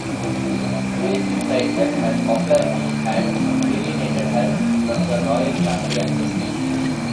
Louise implied that her popularity had alienated her from the royal family and politicians.